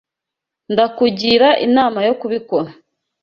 Ndakugira inama yo kubikora